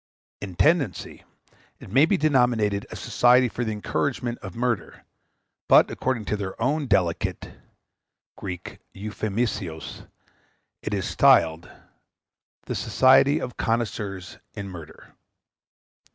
In tendency, it may be denominated a Society for the Encouragement of Murder; but, according to their own delicate [Greek: euphaemismos], it is styled The Society of Connoisseurs in Murder.